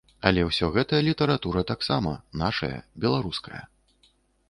Але ўсё гэта літаратура таксама, нашая, беларуская.